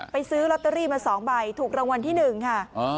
ซื้อลอตเตอรี่มา๒ใบถูกรางวัลที่๑ค่ะ